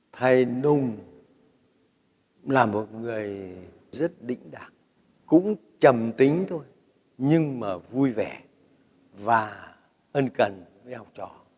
thầy nùng là một người rất đỉnh đẳng cũng chầm tính thôi nhưng mà vui vẻ và ân cần với học trò